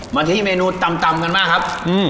มาที่เมนูตำกันบ้างครับ